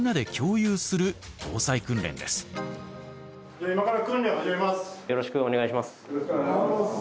よろしくお願いします。